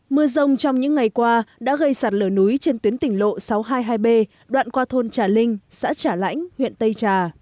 mưa rông trong những ngày qua đã gây sạt lở núi trên tuyến tỉnh lộ sáu trăm hai mươi hai b đoạn qua thôn trà linh xã trà lãnh huyện tây trà